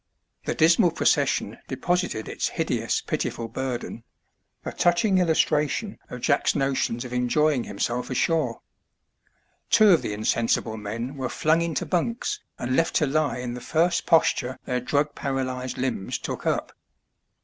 The dismal procession deposited its hideous, pitiful burden — a touching illustration of Jack's notions of enjoying himself ashore. Two of the insen sible men were flung into bunks and left to lie in the first posture their drug paralyzed limbs took up.